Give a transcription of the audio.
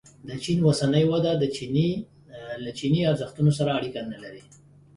د چین اوسنۍ وده له چیني ارزښتونو سره اړیکه نه لري.